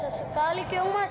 wah besar sekali kiongmas